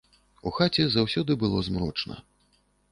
У хаце заўсёды было змрочна.